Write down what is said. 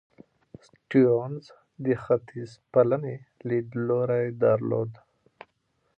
سټيونز د ختیځپالنې لیدلوری درلود.